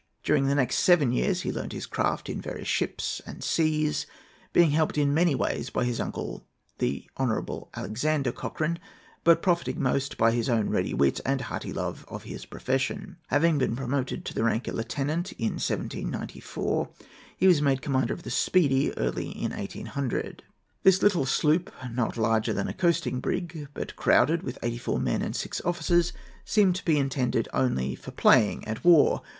During the next seven years he learnt his craft in various ships and seas, being helped in many ways by his uncle, the Hon. Alexander Cochrane, but profiting most by his own ready wit and hearty love of his profession. Having been promoted to the rank of lieutenant in 1794, he was made commander of the Speedy early in 1800. This little sloop, not larger than a coasting brig, but crowded with eighty four men and six officers, seemed to be intended only for playing at war.